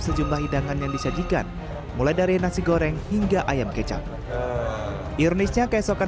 sejumlah hidangan yang disajikan mulai dari nasi goreng hingga ayam kecap ironisnya keesokan